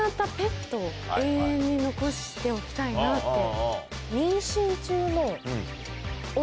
永遠に残しておきたいなって。